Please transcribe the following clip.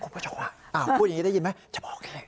พูดอย่างนี้ได้ยินไหม